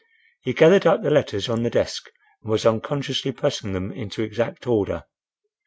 He gathered up the letters on the desk and was unconsciously pressing them into exact order.